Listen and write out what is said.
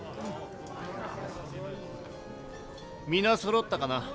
皆そろったかな？